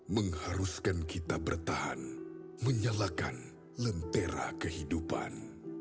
mengharuskan kita bertahan menyalakan lentera kehidupan